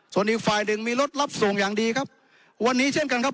ส่วนอีกฝ่ายหนึ่งมีรถรับส่งอย่างดีครับวันนี้เช่นกันครับ